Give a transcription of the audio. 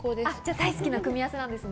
大好きな組み合わせなんですね。